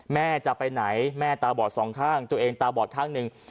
แม่จะไปไหนแม่ตาบอดสองข้างตัวเองตาบอดข้างหนึ่ง